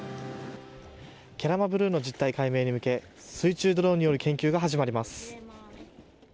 ケラマブルーの実態解明に向け水中ドローンによる研究が始まります。